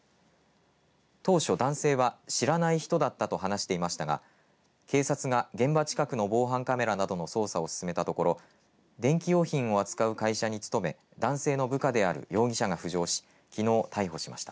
当初、男性は知らない人だったと話していましたが警察が現場近くの防犯カメラなどの捜査を進めたところ電気用品を扱う会社に勤め男性の部下である容疑者が浮上しきのう逮捕しました。